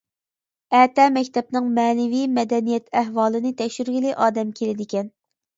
ئەتە مەكتەپنىڭ مەنىۋى-مەدەنىيەت ئەھۋالىنى تەكشۈرگىلى ئادەم كېلىدىكەن.